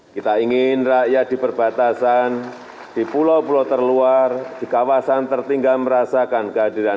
kita ingin rakyat di perbatasan di pulau pulau terluar di kawasan tertinggal merasakan kehadiran